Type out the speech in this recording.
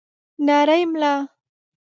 نرۍ ملا